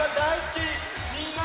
みんな！